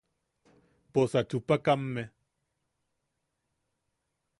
Pos achupakamme.